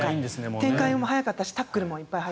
展開も速かったしタックルも速かった。